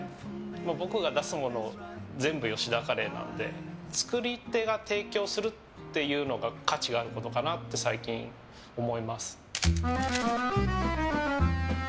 僕が出すもの全部吉田カレーなので作り手が提供するということが価値があることかなって最近思います。